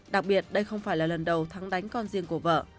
đặc biệt đây không phải là lần đầu thắng đánh con riêng của vợ